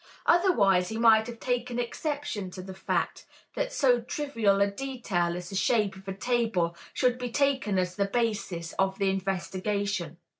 Otherwise he might have taken exception to the fact that so trivial a detail as the shape of a table should be taken as the basis of the investigation.